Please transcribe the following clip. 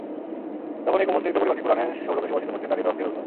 তখন এ কোমল স্নিগ্ধ পরিবেশকে কুরআনের সৌরভে সুবাসিত করতে তার হৃদয় অস্থির হয়ে উঠল।